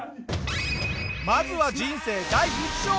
まずは人生第一章。